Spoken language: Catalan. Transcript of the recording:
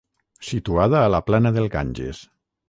Situada a la plana del Ganges.